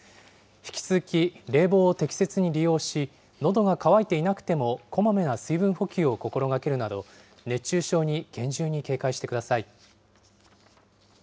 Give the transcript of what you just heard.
引き続き冷房を適切に利用し、のどが渇いていなくてもこまめな水分補給を心がけるなど、熱中症に厳重に警戒してください。